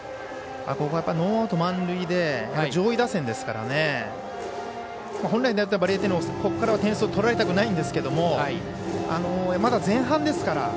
ノーアウト、満塁で上位打線ですから本来であればここからは点数を取られたくないんですがまだ前半ですから。